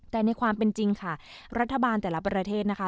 แต่ในความเป็นจริงค่ะรัฐบาลแต่ละประเทศนะคะ